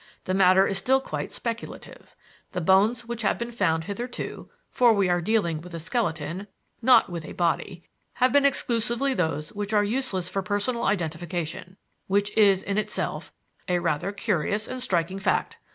The matter is still quite speculative. The bones which have been found hitherto (for we are dealing with a skeleton, not with a body) have been exclusively those which are useless for personal identification; which is, in itself, a rather curious and striking fact.